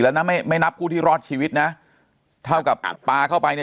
นะไม่ไม่นับผู้ที่รอดชีวิตนะเท่ากับอัดปลาเข้าไปเนี่ย